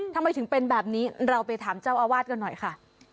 ทำไมถึงเป็นแบบนี้เราไปถามเจ้าอาวาสกันหน่อยค่ะ